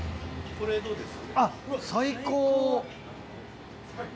・これどうです？